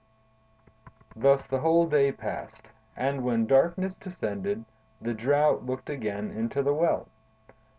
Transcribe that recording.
Thus the whole day passed; and when darkness descended, the Drought looked again into the Well.